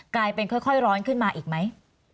กลายเป็นค่อยร้อนขึ้นมาอีกไหม